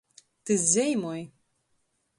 Tys zeimoj.